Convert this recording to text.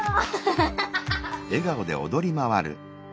ハハハハ！